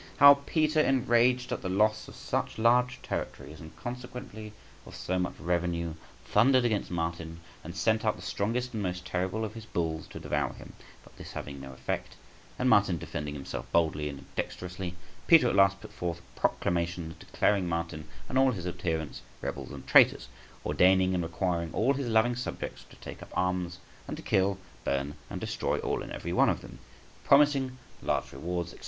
How Peter, enraged at the loss of such large territories, and consequently of so much revenue, thundered against Martin, and sent out the strongest and most terrible of his bulls to devour him; but this having no effect, and Martin defending himself boldly and dexterously, Peter at last put forth proclamations declaring Martin and all his adherents rebels and traitors, ordaining and requiring all his loving subjects to take up arms, and to kill, burn, and destroy all and every one of them, promising large rewards, &c.